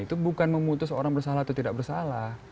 itu bukan memutus orang bersalah atau tidak bersalah